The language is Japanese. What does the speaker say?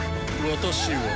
私は。